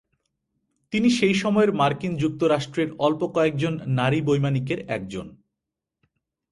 তিনি সেই সময়ের মার্কিন যুক্তরাষ্ট্রের অল্প কয়েকজন নারী বৈমানিকের একজন।